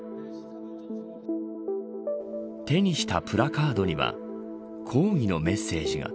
手にしたプラカードには抗議のメッセージが。